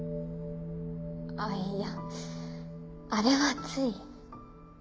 あっいやあれはつい。